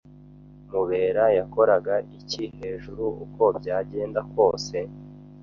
Mubera yakoraga iki hejuru uko byagenda kose?